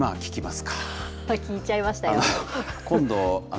聞いちゃいましたよ。